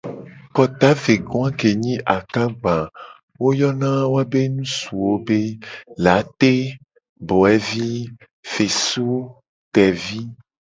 Kota ve go a ke nyi akagba a wo yona woabe ngusuwo be : late, boevi, fesu, tevi.